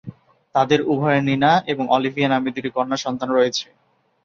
তাদের উভয়ের নিনা এবং অলিভিয়া নামে দুটি কন্যাসন্তান রয়েছে।